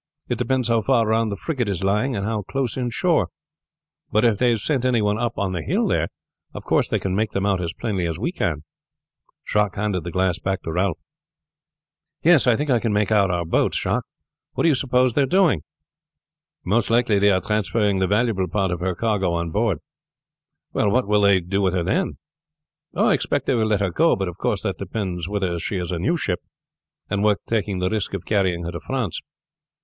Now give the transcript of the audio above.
"It depends how far round the frigate is lying, and how close in shore. But if they have sent any one up on the hill there, of course they can make them out as plainly as we can." Jacques handed the glass to Ralph. "Yes, I think I can make out boats, Jacques. What do you suppose they are doing?" "Most likely they are transferring the valuable part of her cargo on board." "What will they do with her then?" "I expect they will let her go; but of course that depends whether she is a new ship and worth taking the risk of carrying her to France."